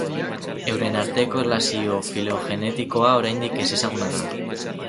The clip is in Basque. Euren arteko erlazio filogenetikoa oraindik ezezaguna da.